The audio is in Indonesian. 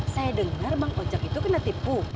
saya dengar bang ojek itu kena tipu